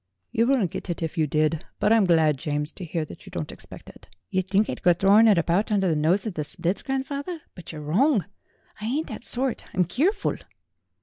"You wouldn't get it if you did, but I'm glad, James, to hear that you don't expect it." "Yer think I'd go throwin' it abart under the nose of the splits, grandfawther, but you're wrong. I ain't thet sort. I'm keerful."